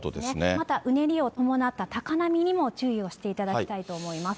またうねりを伴った高波にも注意をしていただきたいと思います。